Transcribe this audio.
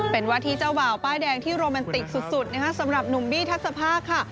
เป็นวาทีเจ้าบ่าวป้ายแดงที่โรแมนติกสุดนะคะสำหรับหนุ่มบี้ทัศภาคค่ะ